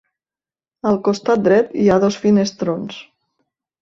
Al costat dret, hi ha dos finestrons.